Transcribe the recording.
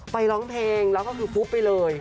ร้องเพลงแล้วก็คือปุ๊บไปเลย